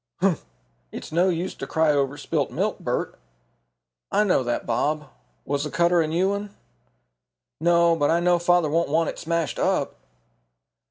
"Humph! it's no use to cry over spilt milk, Bert." "I know that, Bob. Was the cutter a new one?" "No, but I know father won't want it smashed up."